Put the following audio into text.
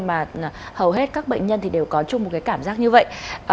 mà hầu hết các bệnh nhân đều có chung một cảm giác như vậy